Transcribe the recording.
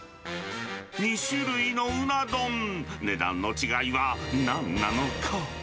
２種類のうな丼、値段の違いはなんなのか？